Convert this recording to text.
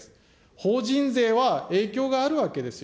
法人税は影響があるわけですよ。